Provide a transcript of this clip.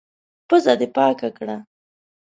پزه دي پاکه کړه!